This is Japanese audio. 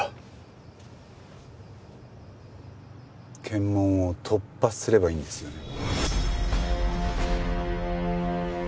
検問を突破すればいいんですよね？